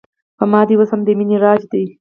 په ما دې اوس هم د مینې راج دی